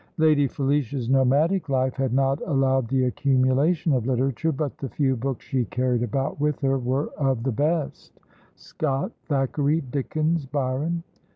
Lady Felicia's nomadic life had not allowed the accumulation of literature, but the few books she carried about with her were of the best, Scott, Thackeray, Dickens, Byron.